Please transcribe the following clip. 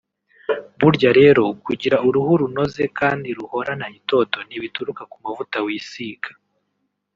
Burya rero kugira uruhu runoze kandi ruhorana itoto ntibituruka ku mavuta wisiga